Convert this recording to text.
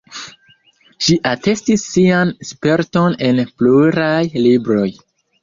Ŝi atestis sian sperton en pluraj libroj.